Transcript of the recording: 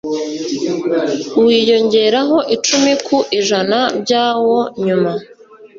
wiyongeraho icumi ku ijana byawo nyuma